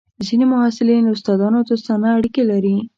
ځینې محصلین له استادانو دوستانه اړیکې لري.